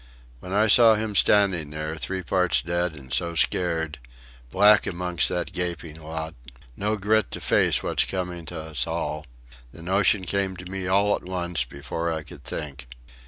"When I saw him standing there, three parts dead and so scared black amongst that gaping lot no grit to face what's coming to us all the notion came to me all at once, before I could think.